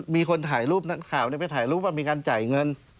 มีคนถ่ายรูปนักข่าวไปถ่ายรูปว่ามีการจ่ายเงิน